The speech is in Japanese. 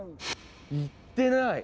言ってない！